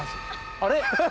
あれ？